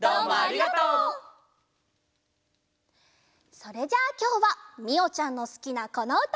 それじゃきょうはみおちゃんのすきなこのうた。